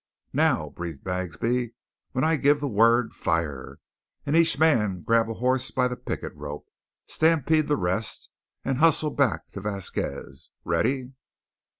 "Now," breathed Bagsby, "when I give the word, fire. And each man grab a horse by the picket rope, stampede the rest, and hustle back to Vasquez. Ready!"